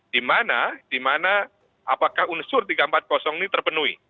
di mana di mana apakah unsur tiga ratus empat puluh ini terpenuhi